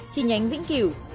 chi nhánh vĩnh kiểu